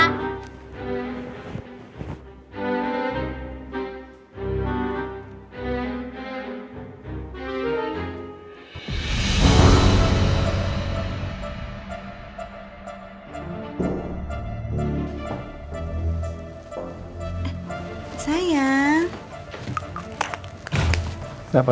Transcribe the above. aduh ya tidur